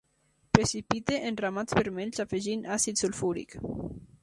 Precipita en ramats vermells afegint àcid sulfúric.